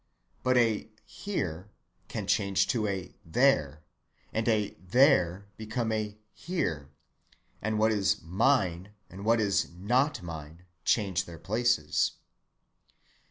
But a "here" can change to a "there," and a "there" become a "here," and what was "mine" and what was "not mine" change their places.